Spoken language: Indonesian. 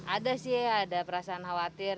ada sih ada perasaan khawatir